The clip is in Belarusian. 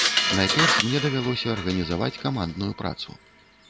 Найперш мне давялося арганізаваць камандную працу.